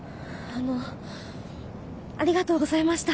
あのありがとうございました。